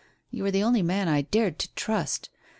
"You are the only man I dared to trust.